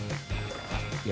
いや。